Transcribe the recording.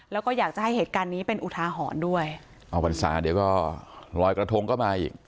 แล้วก็อยากจะให้เหตุการณ์นี้เป็นอุทาหรณ์ด้วยอ๋อพรรษาเดี๋ยวก็ลอยกระทงก็มาอีก